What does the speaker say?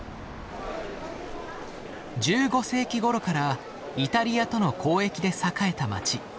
１５世紀ごろからイタリアとの交易で栄えた街。